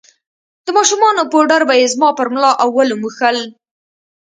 د ماشومانو پوډر به يې زما پر ملا او ولو موښل.